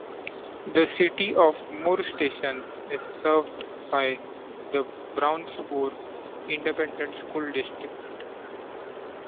The City of Moore Station is served by the Brownsboro Independent School District.